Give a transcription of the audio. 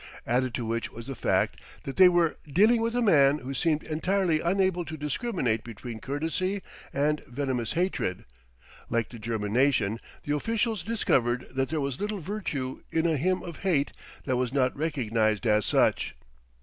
Added to which was the fact that they were dealing with a man who seemed entirely unable to discriminate between courtesy and venomous hatred. Like the German nation, the officials discovered that there was little virtue in a hymn of hate that was not recognised as such.